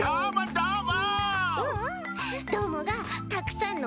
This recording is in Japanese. どーも！